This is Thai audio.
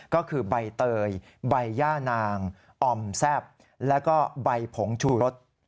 ก็คือใบเตยใบย่านางอ่อมแซ่บแล้วก็ใบผงชูรส